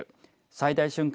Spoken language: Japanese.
最大瞬間